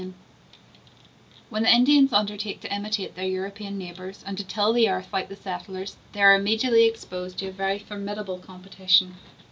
] When the Indians undertake to imitate their European neighbors, and to till the earth like the settlers, they are immediately exposed to a very formidable competition.